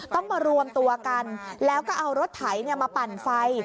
ต้องมารวมตัวกันแล้วก็เอารถไถมาปั่นไฟ